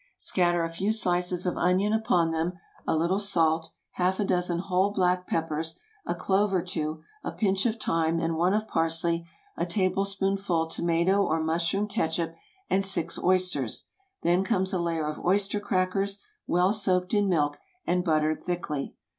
Scatter a few slices of onion upon them, a little salt, half a dozen whole black peppers, a clove or two, a pinch of thyme and one of parsley, a tablespoonful tomato or mushroom catsup, and six oysters; then comes a layer of oyster crackers, well soaked in milk and buttered thickly.